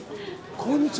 こんにちは。